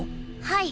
はい。